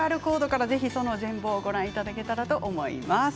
ＱＲコードから全ぼうをご覧いただけたらと思います。